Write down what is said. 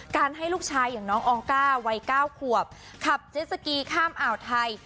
ให้ลูกชายอย่างน้องอองก้าวัย๙ขวบขับเจสสกีข้ามอ่าวไทย